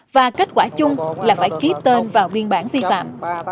và kết quả chung là phải ký tên vào biên bản vi phạm